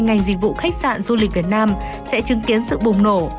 ngành dịch vụ khách sạn du lịch việt nam sẽ chứng kiến sự bùng nổ